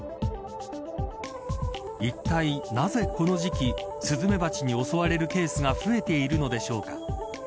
いったいなぜ、この時期スズメバチに襲われるケースが増えているのでしょうか。